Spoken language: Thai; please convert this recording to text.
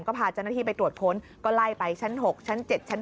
ก็พาเจ้าหน้าที่ไปตรวจค้นก็ไล่ไปชั้น๖ชั้น๗ชั้น